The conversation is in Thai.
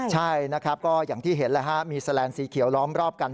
ใช่อย่างที่เห็นมีแสลนสีเขียวล้อมรอบกัน